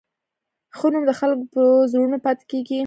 ښه نوم د خلکو په زړونو پاتې کېږي.